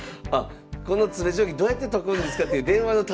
この詰将棋どうやって解くんですかっていう電話の対応。